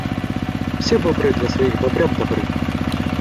Все бобры для своих бобрят добры.